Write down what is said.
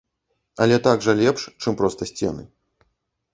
Але так жа лепш, чым проста сцены.